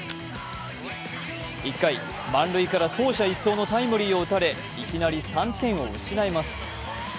１回、満塁から走者一掃のタイムリーを打たれいきなり３点を失います。